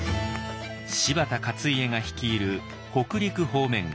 柴田勝家が率いる北陸方面軍。